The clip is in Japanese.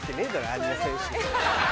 あんな選手が。